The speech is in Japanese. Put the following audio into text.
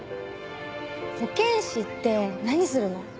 保健師って何するの？